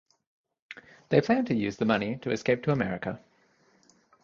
They plan to use the money to escape to America.